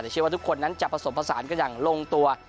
แต่เชื่อว่าทุกคนนั้นจะผสมผสานกันอย่างลงตัว